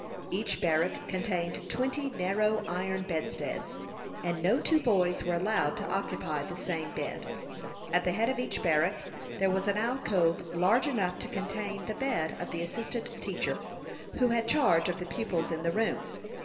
Each barrack contained twenty narrow iron bedsteads, and no two boys were allowed to occupy the same bed. At the head of each barrack, there was an alcove large enough to contain the bed of the assistant teacher, who had charge of the pupils in the room.